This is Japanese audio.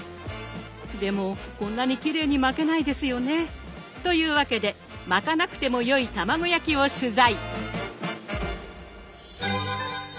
でもこんなにきれいに巻けないですよね。というわけで巻かなくても良い卵焼きを取材。